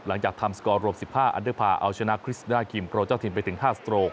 หลังจากทำสกอร์รวม๑๕อันเดอร์พาร์เอาชนะคริสดาคิมโปรเจ้าถิ่นไปถึง๕สโตรก